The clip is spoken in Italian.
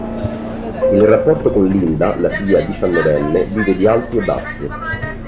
Il rapporto con Linda, la figlia diciannovenne, vive di alti e bassi.